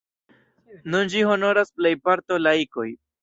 Nun ĝin honoras plejparto laikoj.